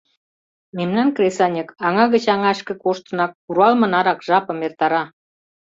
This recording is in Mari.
Мемнан кресаньык аҥа гыч аҥашке коштынак куралме нарак жапым эртара.